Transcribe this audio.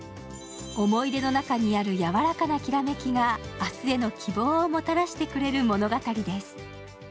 思い出の中にある、やわらかなきらめきが、明日への希望をもたらしてくれる物語です。